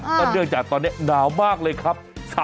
ก็เนื่องจากตอนนี้หนาวมากเลยครับ